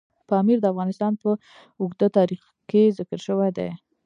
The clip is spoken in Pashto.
پامیر د افغانستان په اوږده تاریخ کې ذکر شوی دی.